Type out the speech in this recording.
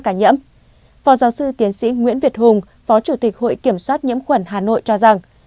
nhiễm phó giáo sư tiến sĩ nguyễn việt hùng phó chủ tịch hội kiểm soát nhiễm khuẩn hà nội cho rằng